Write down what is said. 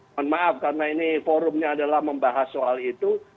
mohon maaf karena ini forumnya adalah membahas soal itu